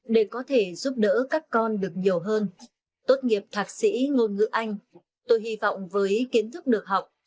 để có thể giúp đỡ các con được nhiều hơn tốt nghiệp thạc sĩ ngôn ngữ anh tôi hy vọng với kiến thức được học